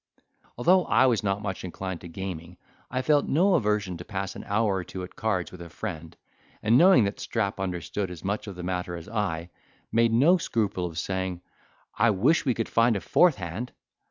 Although I was not much inclined to gaming, I felt no aversion to pass an hour or two at cards with a friend; and knowing that Strap understood as much of the matter as I, made no scruple of saying, "I wish we could find a fourth hand."